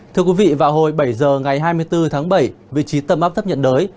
thưa quý vị vào hồi bảy h ngày hai mươi bốn tháng bảy vị trí tầm áp thấp nhật đới